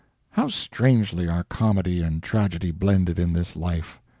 [How strangely are comedy and tragedy blended in this life!